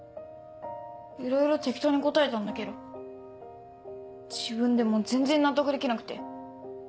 いろいろ適当に答えたんだけど自分でも全然納得できなくて。